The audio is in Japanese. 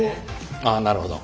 ああなるほど。